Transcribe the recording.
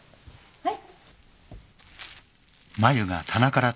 はい。